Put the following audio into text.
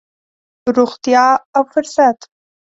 روغتيا او فرصت.